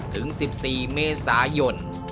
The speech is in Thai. ถึง๑๔เมษายน